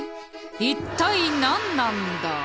一体なんなんだ？